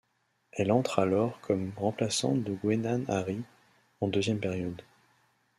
Elle entre alors comme remplaçante de Gwennan Harries en deuxième période.